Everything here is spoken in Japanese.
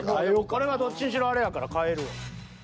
これはどっちにしろあれやから変えるわ。